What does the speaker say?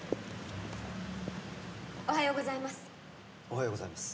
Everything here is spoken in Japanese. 「おはようございます」